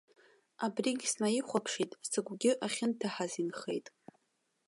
Абригь снаихәаԥшит, сыгәгьы ахьынҭаҳаз инхеит.